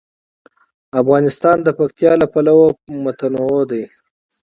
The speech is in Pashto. افغانستان د پکتیا له پلوه متنوع دی.